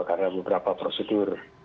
karena beberapa prosedur